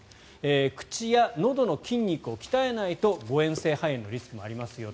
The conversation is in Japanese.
口やのどの筋肉を鍛えないと誤嚥性肺炎のリスクがありますよと。